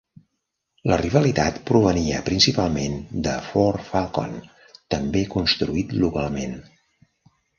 La rivalitat provenia principalment de Ford Falcon, també construït localment.